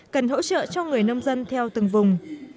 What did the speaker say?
cần hỗ trợ cho người nông dân theo từng vùng